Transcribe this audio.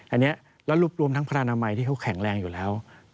อันนี้แล้วรวบรวมทั้งพระนามัยที่เขาแข็งแรงอยู่แล้ว